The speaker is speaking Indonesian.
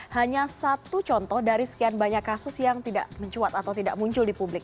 hanya satu contoh dari sekian banyak kasus yang tidak mencuat atau tidak muncul di publik